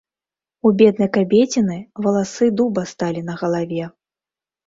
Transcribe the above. У беднай кабеціны валасы дуба сталі на галаве.